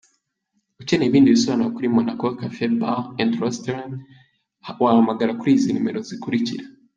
Ukeneye ibindi bisobanuro kuri Monaco Cafe, Bar and Restaurant wahamagara kuri izi nimero zikurikira:.